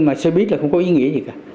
mà xe buýt là không có ý nghĩa gì cả